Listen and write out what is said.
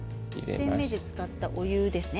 １煎目で入れたお湯ですね。